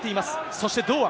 そして堂安。